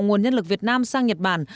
nguồn nhân lực việt nam sang nhật bản